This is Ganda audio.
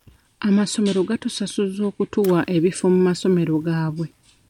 Amasomero gatusasuza okutuwa ebifo mu masomero gaabye.